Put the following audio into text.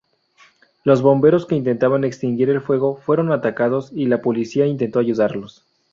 Los bomberos que intentaban extinguir el fuego fueron atacados, y la policía intentó ayudarlos.